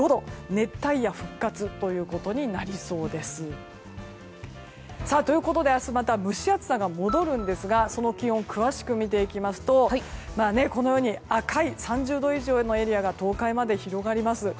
熱帯夜復活となりそうです。ということで、明日また蒸し暑さが戻るんですがその気温を詳しく見ていきますと赤い３０度以上のエリアが東海まで広がります。